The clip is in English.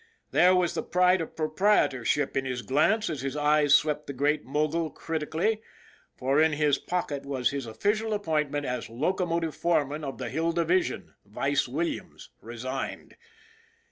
There was the pride of proprietorship in his glance as his eyes swept the great mogul critically, for in his pocket was his official appointment as Locomotive Foreman of the Hill Division, vice Williams, resigned.